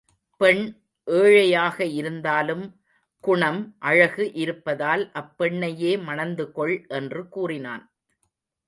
பெண் ஏழையாக இருந்தாலும் குணம், அழகு இருப்பதால் அப்பெண்ணையே மணந்துகொள் என்று கூறினான்.